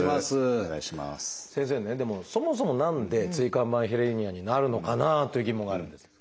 先生ねでもそもそも何で椎間板ヘルニアになるのかなという疑問があるんですけど。